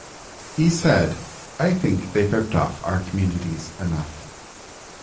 He said: I think they've ripped off our communities enough.